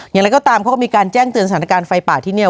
อย่างไรก็ตามเขาก็มีการแจ้งเตือนสถานการณ์ไฟป่าที่นี่